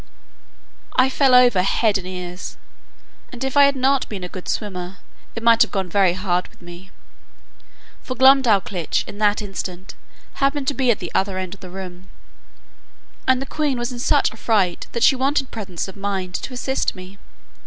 I fell over head and ears, and, if I had not been a good swimmer, it might have gone very hard with me; for Glumdalclitch in that instant happened to be at the other end of the room, and the queen was in such a fright, that she wanted presence of mind to assist me.